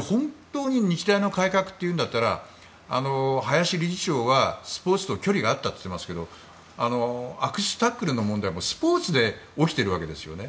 本当に日大の改革というんだったら林理事長は、スポーツと距離があったと言っていますが悪質タックルの問題もスポーツで起きているわけですよね。